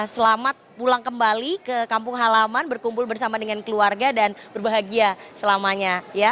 selamat pulang kembali ke kampung halaman berkumpul bersama dengan keluarga dan berbahagia selamanya